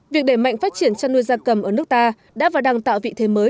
việc để mạnh phát triển chăn nuôi gia cầm ở nước ta đã và đang tạo vị thế mới